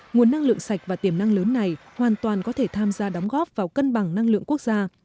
nguồn năng lượng sạch và tiềm năng lớn này hoàn toàn có thể tham gia đóng góp vào cân bằng năng lượng quốc gia